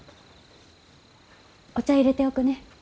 お茶いれておくね。